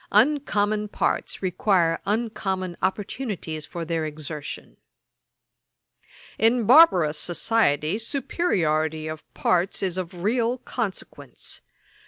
Uncommon parts require uncommon opportunities for their exertion. 'In barbarous society, superiority of parts is of real consequence.